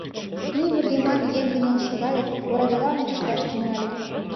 Ний вургеман еҥ кынел шогале, орадыла ончышташ тӱҥале.